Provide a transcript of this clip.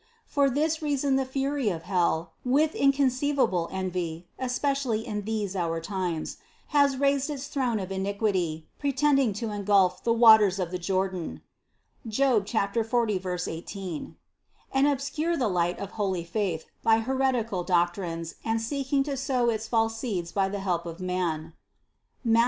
For this reason the fury of hell, with inconceivable envy (especially in these, our times), has raised its throne of iniquity, pretending to engulf the waters of the Jordan (Job 40, 18), and obscure the light of holy faith by heretical doctrines and seeking to sow its false seeds by the help of man (Matth.